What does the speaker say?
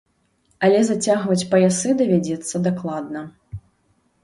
Але зацягваць паясы давядзецца дакладна.